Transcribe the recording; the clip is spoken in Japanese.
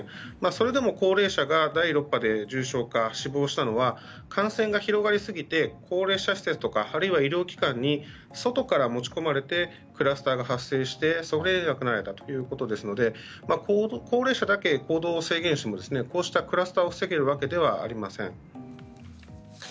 それでも高齢者が第６波で重症化、死亡したのは感染が広がりすぎて高齢者施設とかあるいは医療機関に外から持ち込まれてクラスターが発生してそれで亡くなられたということですので高齢者だけ行動制限をしただけではこうしたクラスターを防げるわけではありません。